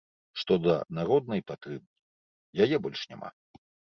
Што да народнай падтрымкі, яе больш няма.